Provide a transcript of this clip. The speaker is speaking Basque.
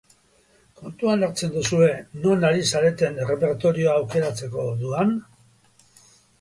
Kontuan hartzen duzue non ari zareten errepertorioa aukeratzeko orduan?